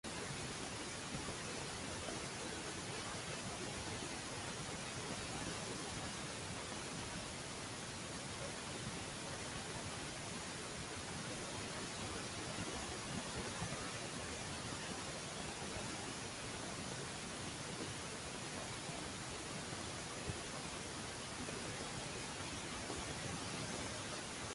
Los agujeros negros y estrellas de neutrones son ocasionalmente difíciles de distinguir.